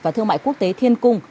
và thương mại quốc tế thiên cung